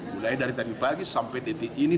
mulai dari tadi pagi sampai detik ini